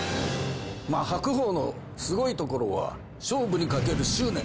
白鵬のすごいところは、勝負にかける執念。